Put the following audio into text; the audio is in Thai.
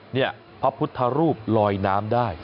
นี่พระพุทธรูปลอยน้ำได้